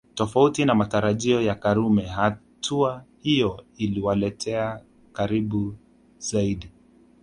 Tofauti na matarajio ya Karume hatua hiyo iliwaleta karibu zaidi